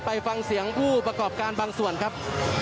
ไปฟังเสียงผู้ประกอบการบางส่วนครับ